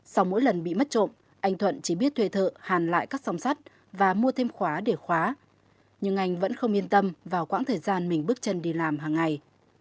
sau mỗi lần bị mất trộm anh thuận chỉ biết thuê thợ hàn lại các song sắt và mua thêm khóa để khóa nhưng anh vẫn không yên tâm vào quãng thời gian mình bước chân đi làm hàng ngày